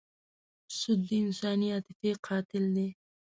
سود د انساني عاطفې قاتل دی.